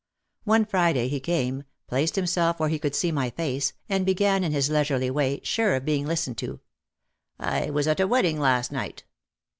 One Friday he came, placed himself where he could see my face, and began in his leisurely way, sure of being listened to — "I was at a wedding last night."